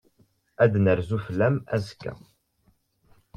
Ad n-nerzu fell-am azekka.